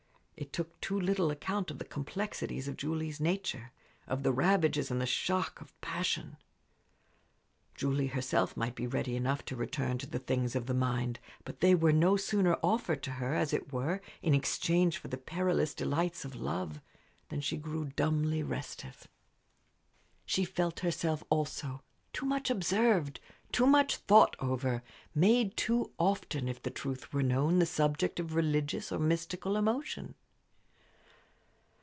It took too little account of the complexities of Julie's nature, of the ravages and the shock of passion. Julie herself might be ready enough to return to the things of the mind, but they were no sooner offered to her, as it were, in exchange for the perilous delights of love, than she grew dumbly restive. She felt herself, also, too much observed, too much thought over, made too often, if the truth were known, the subject of religious or mystical emotion.